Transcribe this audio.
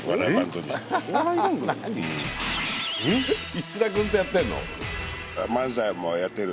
石田くんとやってんの？